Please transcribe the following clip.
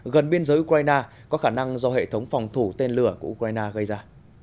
gần biên giới ukraine có khả năng do hệ thống phòng thủ tên lửa của ukraine gây ra